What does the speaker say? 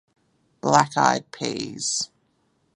Black Eyed Peas